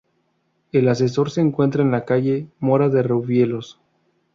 El ascensor se encuentra en la calle Mora de Rubielos.